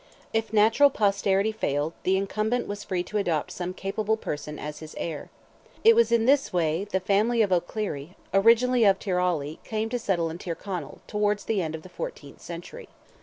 If natural posterity failed, the incumbent was free to adopt some capable person as his heir. It was in this way the family of O'Clery, originally of Tyrawley, came to settle in Tyrconnell, towards the end of the fourteenth century.